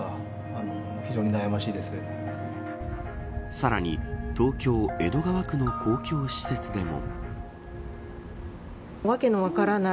さらに東京・江戸川区の公共施設でも。